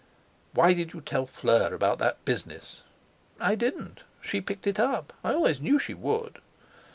"Why did you tell Fleur about that business?" "I didn't; she picked it up. I always knew she would."